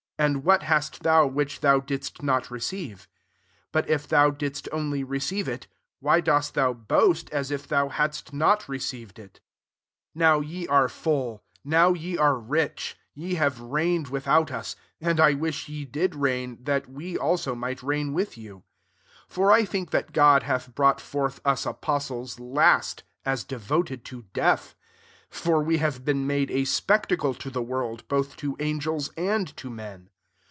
and what hast thou which thou didst not receive ? But if thou didst only receive ity why dost thou boast as if thou hadst not received it ? 8 Now ye are' full, now ye are rich, ye have reigned with out us: and I wish ye" did reign, that we also might reign with you. 9 For I think [that] God hath brought forth us apostles, last,t as devoted to death ; for we have been made a spectacle to the world, both to angels and to men.